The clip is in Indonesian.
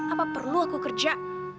apa perlu aku kerja